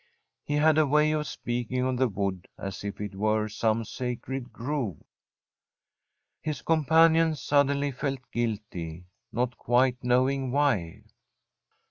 He had a way of speaking of the wood as if it were some sacred grove. His companion suddenly felt guilty, not quite knowing why.